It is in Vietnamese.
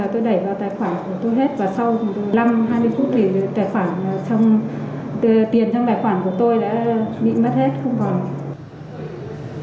tôi đẩy vào tài khoản của tôi hết và sau năm hai mươi phút thì tiền trong tài khoản của tôi đã bị mất hết không còn